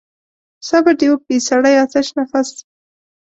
صبر دې وکړي سړی آتش نفس.